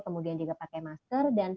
kemudian dia pakai masker